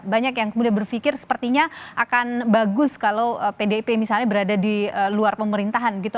banyak yang kemudian berpikir sepertinya akan bagus kalau pdip misalnya berada di luar pemerintahan gitu